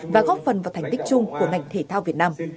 và góp phần vào thành tích chung của ngành thể thao việt nam